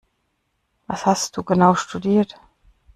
Was hast du genau studiert?